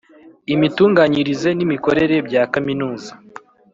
imitunganyirize n imikorere bya Kaminuza